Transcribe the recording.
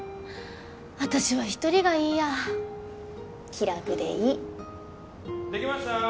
私は一人がいいや気楽でいいできました！